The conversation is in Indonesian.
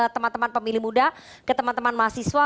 teman teman pemilih muda ke teman teman mahasiswa